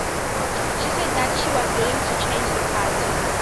She said that she was willing to change the party.